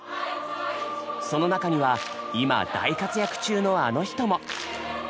その中には今大活躍中のあの人も！